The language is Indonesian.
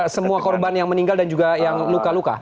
semua korban yang meninggal dan juga yang luka luka